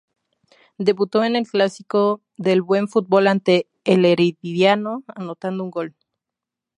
Debutó en el Clásico del Buen Fútbol ante el Herediano anotando un gol.